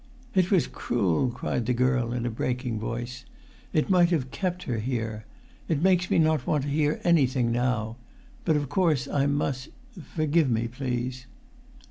"It was cruel," cried the girl, in a breaking voice; "it might have kept her here! It makes me not want to hear anything now ... but of course I must ... forgive me, please."